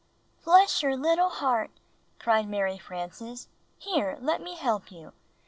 "Bless your little heart!" cried Mary Frances. "Here, let me help you!"